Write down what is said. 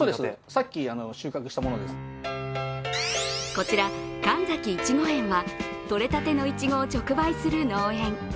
こちら、神崎いちご園はとれたてのいちごを直売する農園。